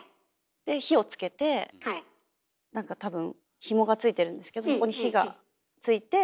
で火をつけて何か多分ひもがついてるんですけどそこに火がついて。